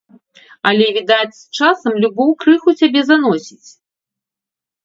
Але, відаць, часам любоў крыху цябе заносіць.